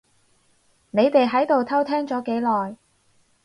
你哋喺度偷聽咗幾耐？